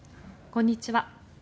こんにちは。